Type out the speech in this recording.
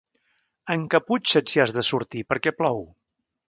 Encaputxa't si has de sortir, perquè plou!